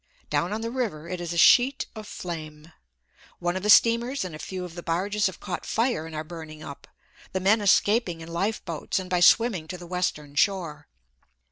Down on the river it is a sheet of flame. One of the steamers and a few of the barges have caught fire and are burning up, the men escaping in life boats and by swimming to the western shore.